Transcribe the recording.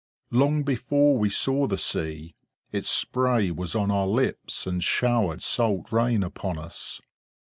Long before we saw the sea, its spray was on our lips, and showered salt rain upon us.